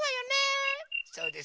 そうですね。